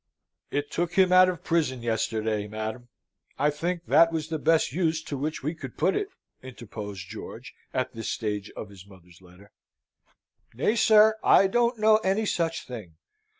"It took him out of prison yesterday, madam. I think that was the best use to which we could put it," interposed George, at this stage of his mother's letter. "Nay, sir, I don't know any such thing!